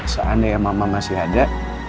seandainya mama masih ada